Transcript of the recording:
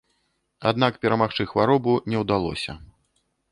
Аднак перамагчы хваробу не ўдалося.